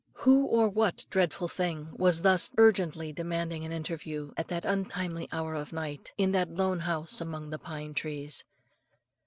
Who or what dreadful thing was thus urgently demanding an interview at that untimely hour of night, in that lone house among the pine trees.